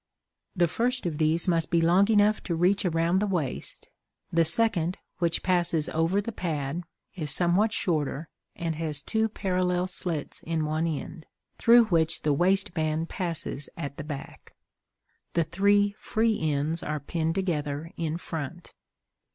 The first of these must be long enough to reach around the waist; the second, which passes over the pad, is somewhat shorter and has two parallel slits in one end; through which the waist band passes at the back; the three free ends are pinned together in front.